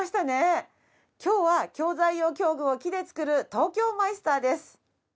今日は教材用教具を木で作る東京マイスターです。